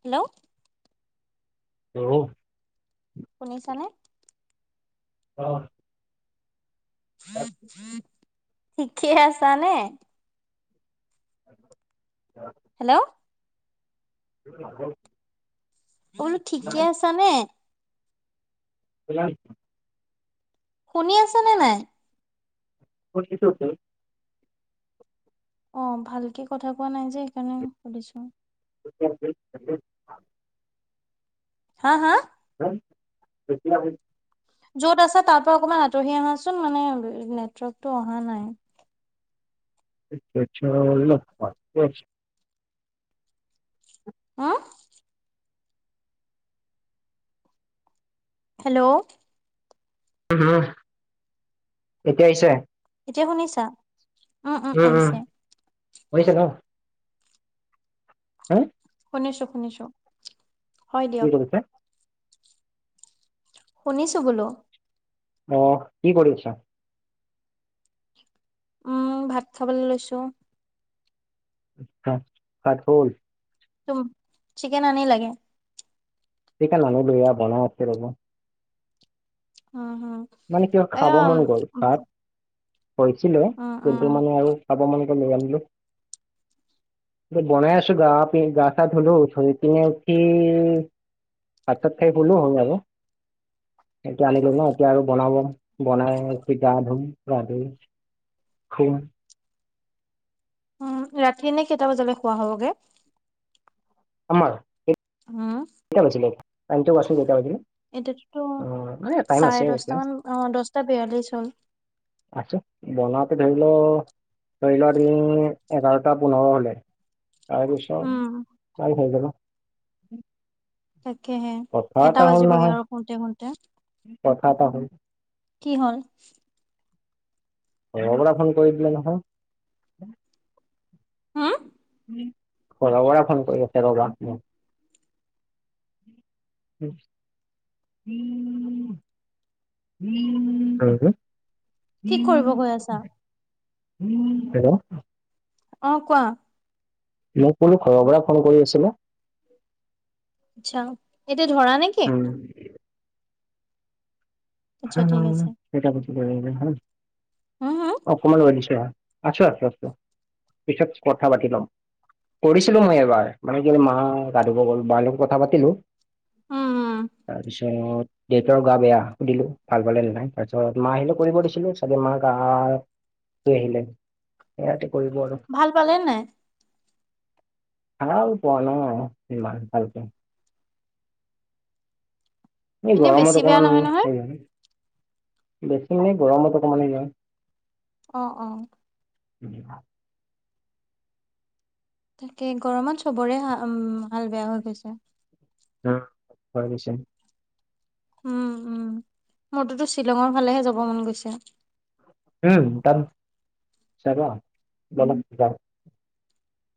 Hello. অউ। শুনিছানে? অহ। অ ঠিকেই আছানে [unintelligible] হেল্ল'। [unintelligible] বোলো ঠিকে আছানে [unintelligible] শুনি আছে নে নাই? শিছ ক [unintelligible] অ ভালকে কথা কোৱা নাই যে সেইকাৰণে সুধিছো। [unintelligible] হা হা এতিয়া য'ত আছে তাৰ পৰা অকমান আঁতৰি আহাচোন মানে নেটৱৰ্কতটো অহা নাই। [unintelligible] হা হেল্ল' উ হম, এতিয়া আহিছে? এতিয়া শুনিছা? উম উম কৰিছে ন। হা শুনিছোঁ, শুনিছোঁ। কি কৰিছে? শুনিছো বোলো। আহ কি কৰিছা? উম ভাত খাবলৈ লৈছো। [unintelligible] ভাত হল তুম চিকেন আনি লাগে? [unintelligible] উম হম মানে কিয় এ কৈছিলে কিন্তু উম মানে আৰু খাব মন গ'ল লৈ আনিলোঁ। বনাই আছো গা প গা চা ধলো পিনে উঠি ভাত ছাত খাই শুলোঁ [unintelligible] সেইটো আনিলো ন। এতিয়া আৰু বনাব বনাই সি গা ধুম, গা ধুই শুম উম ৰাতি নে কেইটা বজালৈ খোৱা হ'বগে? আমাৰ [unintelligible] উম এতিয়াতোতো অ মানে টাইম আছে চাৰে এতিয়া দছটা মান অ দহটা বিয়ালিছ হ'ল। আছোঁ বনাও। ধৰি ল ধৰি লোৱা তিন এঘাৰটা পোন্ধৰ হলে তাৰ উম পিছত আৰু হৈ যাব। তাকেহে কথা এটা হ'ল বাজিবগে নহয় আৰু শুতে শুতে। কথা এটা হ'ল কি হ'ল? এ লগৰ ল'ৰা ফোন কৰি দিলে নহয়। হম ঘৰৰ পৰা ফোন কৰি আছে [unintelligible] কি [unintelligible] কৰিব গৈ আছা [unintelligible] হেল্লো অ কোৱা? মোক বোলো ঘৰৰ পৰা ফোন কৰি আছিলে। আচ্ছা এতিয়া ধৰা নেকি? উম আচ্ছা ঠিক আছে কেইটা বাজিলে ৰবা হা হম হম অকমান ৰাগিছে হা। আছো আছো আছো পিছত কথা পাতি ল'ম। কৰিছিলো মই এবাৰ মানে কি মা গা ধোৱ গ'ল বাৰ লগত কথা পাতিলো। উম উম তাৰপিছত দেউতাৰ গা বেয়া সুধিলো। ভাল পালে নাই তাৰপিছত মা আহিলে কৰিব দিছিলো চাগে মাক আহাৰ সি আহিলে সেয়াতো ভাল পালে নাই? ভাল পোৱা ন ইমান ভাল পোৱা এই এনে বেছি গৰমত বেয়া অকনমান নহয় নহয় [unintelligible] বেছি মানে গৰমত অকনমান এনেও অঁ অঁ। উম। তাকে গৰমত চবৰে হা উম হাল বেয়া হৈ গৈছে। অহ হয় পিছে। উম উম মোৰটোতো শ্বিলঙৰ ফালেহে যাব মন গৈছে। উম তাত, যাবা বলা যাওঁ।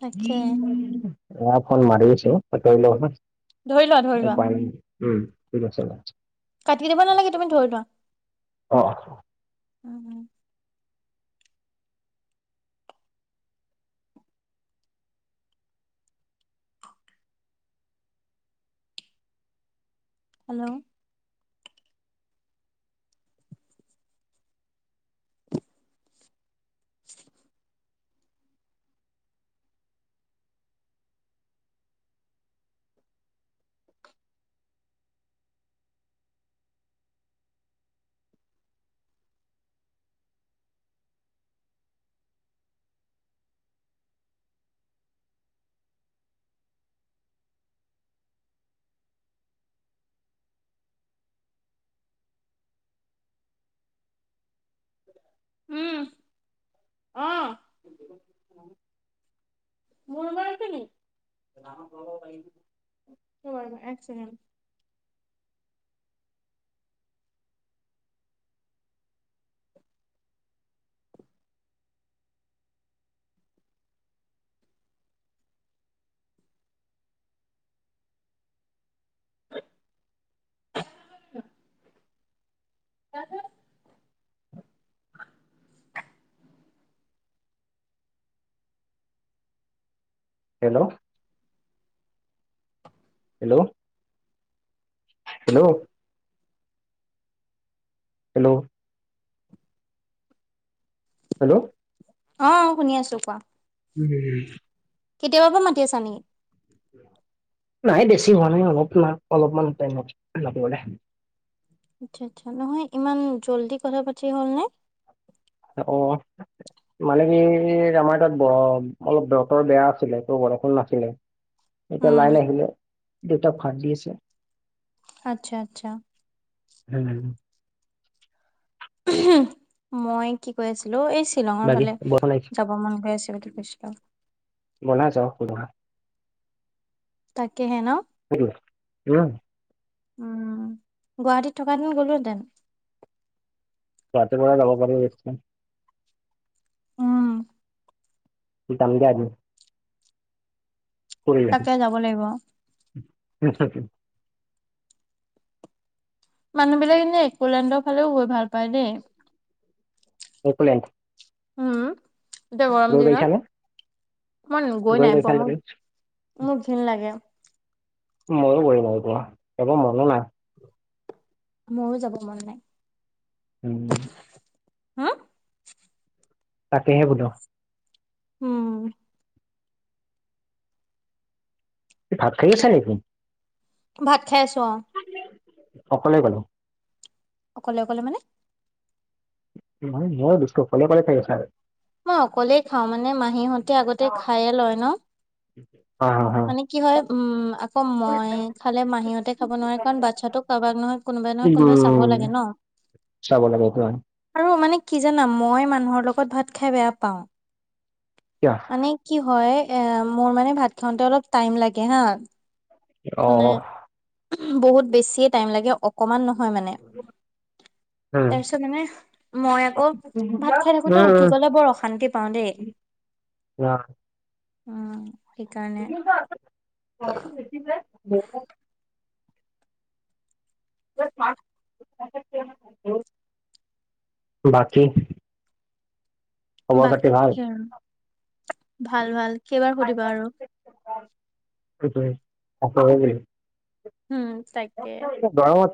তাকে এয়া ফোন মাৰি আছে। পাতি ল‌ওঁ হা। ধৰি লোৱা ধৰি লোৱা। উম, ঠিক আছে বাৰু। কাটি দিব নালাগে তুমি ধৰি লোৱা। উম উম। হেল্ল'। [unintelligible] উম [inaudible] অ', [inaudible] মোৰ ৰোমত আছে নেকি? ৰবা ৰবা এক ছেকেণ্ড। [unintelligible] ইয়াতে [unintelligible] hello. Hello, hello hello. Hello. অঁ শুনি আছোঁ কোৱা? উমহ। কেতিয়াবাৰ পৰা মাতি আছা এনেই। নাই বেছি হোৱা নাই অলপমান অলপমান টাইমত, লাগিব দে আচ্ছা আচ্ছা, নহয় ইমান জল্দি কথা পাতি হ'ল নে? অহ। মানে কি আমাৰ তাত ব অলপ বতৰ বেয়া আছিলে ত বৰষুণ নাছিলে এতিয়া উম, লাইন আহিলে দেউতাক ভাত দি আছে আচ্ছা আচ্ছা। হুম উমহ মই কি কৈ আছিলোঁ। এই শ্বিলঙৰ বাকী ফালে বৰষুণ আহিছে, যাব মন গৈ আছে। এইটো কৃষ্ণ সুধা তাকেহে ন। উম। উম, গুৱাহাটীত থকা হেঁতেন গ'লো হেঁতেন। ইয়াতে পৰা যাব পাৰিবি বেছি উম, যাম দিয়া এদিন। তাকে যাব লাগিব। নিশ্চয় এদিন। মানুহবিলাক এনেই একোলেণ্ডৰ ফালেও গৈ ভাল পায় দেই। একোলেণ্ড। উম। এতিয়া গৰম দিনত, মই গৈ নাই পোৱা। পাইছানে মোক, তুমি মোৰ ঘিন লাগে। ময়ো গৈ নাইপোৱা। এবাৰ মনো নাই মোৰো যাব মন নাই। উমম। হা? তাকেহে বোলো। উম। তুমি ভাত খাই আছা নিকি ভাত খাই আছো অ অকলে অকলে অকলে অকলে মানে মানে ন [unintelligible] অকলে অকলে খাই আছা মই অকলেই খাওঁ মানে মাহীহতে আগতে খাইয়ে লয় ন হা হা হা মানে কি হয় উম আকৌ মই খালে মাহীহতে খাব নোৱাৰে কাৰণ বাচ্ছাটো কাৰোবাক নহয় কোনো কোনোবাই নহয় কোনোবাই চাব উম লাগে ন চাব লাগে সেইটো হয় আৰু মানে কি জানা মই মানুহৰ লগত ভাত খাই বেয়া পাওঁ কিয় মানে কি হয় এ মোৰ মানে ভাত খাওঁতে অলপ টাইম লাগে হা মানে অহ বহুত বেছিয়ে টাইম লাগে অকমান নহয় মানে উম তাৰপিছত মানে মই আকৌ ভাত খাই থাকোতে উম উঠি উম গলে বৰ অশান্তি পাওঁ দেই আহ উম সেইকাৰণে [unintelligible] [unintelligible] বাকী খবৰ খাতি বাকী ভাল কি আৰু ভাল ভাল কেইবাৰ সুধিবা আৰু সেইটোৱেই অকৰা নি উম তাকে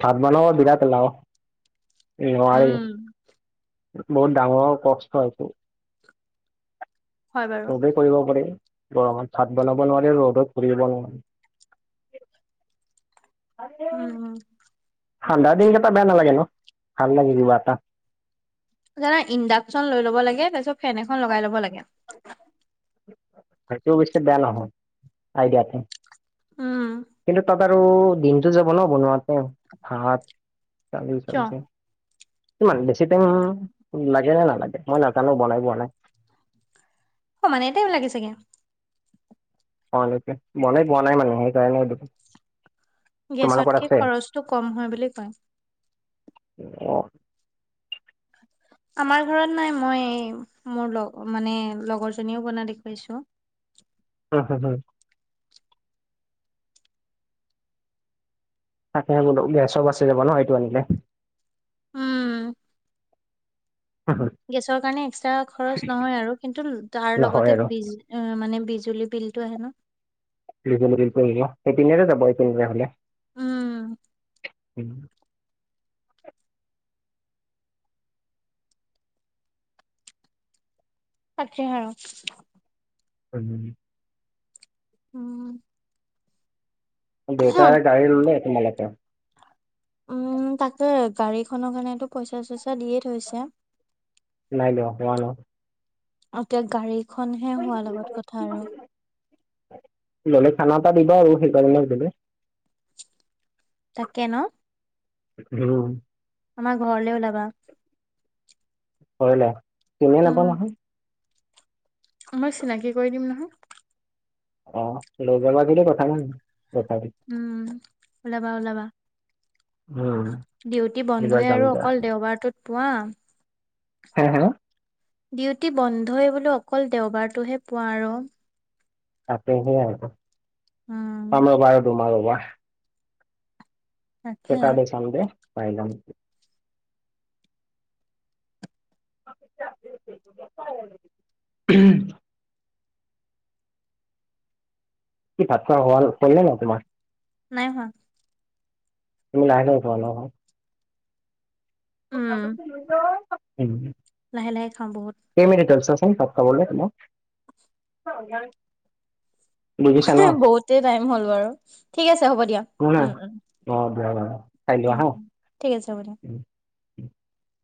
ভাত বনাব বিৰাট এলাও নোৱাৰি উম বহুত ডাঙৰ কষ্ট আছো হয় বাৰু চবেই কৰিব পাৰি গৰমত ভাত বনাব নোৱাৰি ৰ'দত পুৰিলং উম হুম ঠাণ্ডা দিনকেইটা বেয়া নালাগে ন ভাল লাগে কিবা এটা জানা ইণ্ডাকচন লৈ ল'ব লাগে তাৰপিছত ফেন এখন লগাই ল'ব লাগে সেইটো অৱশ্যে বেয়া নহয় আইডিয়াটো উম বাৰু দিনটো যাব ন বনোৱাতে ভাত দালি কিয় চবজি ইমান বেছি টাইম লাগে নে নালাগে মই নাজানো বনাই পোৱা নাই [inaudible] সমানে টাইম লাগে চাগে অলঅকে বনাই পোৱা নাই মানে সেইকাৰণে সুধিছো গেছতকে খৰচটো কম হয় বুলি কয় অহ আমাৰ ঘৰত নাই মই মোৰ লগ মানে লগৰ জনীও বনা দেখুৱাইছো উম হম হম তাকে বোলো গেছো বাচি যাবা ন এইটো আনিলে উম গেছৰ কাৰণে এক্সট্ৰা খৰচ নহয় আৰু কিন্তু তাৰ নহয় লগতে আৰু বিজ মানে বিজুলী বিলটো আহে ন সেইখিনিকে একৰি নিদিঅ এপিনেৰে যাব এটো বেয়া হলে উম উম তাকেহে আও উম উম দেউতা গাডী ল'লে তোমালোকে উম তাকে গাড়ীখনৰ কাৰণটো পইচা চইচা দিয়ে থৈছে। নাই লোৱা নাই লোৱা এতিয়া গাড়ীখনহে হোৱাৰ লগত কথা আৰু ল'লে খানা এটা দিবা আৰু সেইকাৰণে শুধিলো। তাকে ন [unintelligible] আমাৰ ঘৰলে ওলাবা। কৰিলে তুমি উম নাপালা নহয়। মই চিনাকি কৰি দিম নহয়। অ লৈ যাব দিলে কথা নাই। তথাপি উম ওলাবা ওলাবা। উম, ডিউটি এইবাৰ বন্ধই যাম আৰু যা। অকল দেওবাৰটোত পোৱা। হে হে ডিউটি বন্ধই বোলো অকল দেওবাৰটোহে পোৱা আৰু। তাতে সেয়াই আৰু উম পাম ৰবা তোমাৰ ৰবা তাকে সেটা দে চাম যে পাই লাম [unintelligible] কি ভাত খোৱা হোৱাৰ কৰিলা নাই তোমাৰ। নাই হোৱা। তুমি লাহেকে উঠোৱা ন উম [unintelligible] লাহে লাহে খাওঁ বহুত। কেইমিনিট হ'ল চোৱাচোন ভাত খাবলে তোমাক। বহুতে টাইম হ'ল বাৰু ঠিক আছে হ'ব দিয়া শুনা, উম উ। অ', দিয়া বাৰু খাই লোৱা উম হা। উ ঠিক আছে হ'ব দিয়ে। [inaudible]